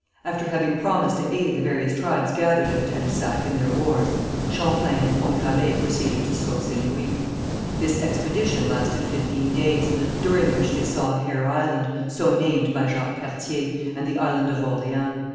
After having promised to aid the various tribes gathered at Tadousac in their wars, Champlain and Pont Gravé proceeded to Sault St. Louis. This expedition lasted fifteen days, during which they saw Hare Island, so named by Jacques Cartier, and the Island of Orleans.